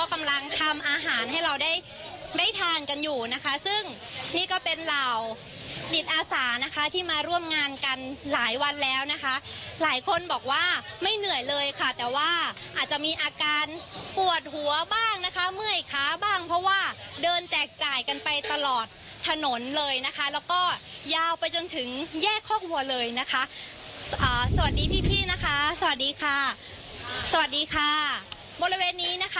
กำลังทำอาหารให้เราได้ได้ทานกันอยู่นะคะซึ่งนี่ก็เป็นเหล่าจิตอาสานะคะที่มาร่วมงานกันหลายวันแล้วนะคะหลายคนบอกว่าไม่เหนื่อยเลยค่ะแต่ว่าอาจจะมีอาการปวดหัวบ้างนะคะเมื่อยค้าบ้างเพราะว่าเดินแจกจ่ายกันไปตลอดถนนเลยนะคะแล้วก็ยาวไปจนถึงแยกคอกวัวเลยนะคะสวัสดีพี่พี่นะคะสวัสดีค่ะสวัสดีค่ะบริเวณนี้นะคะ